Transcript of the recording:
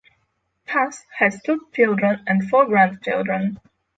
Tass has two children and four grandchildren.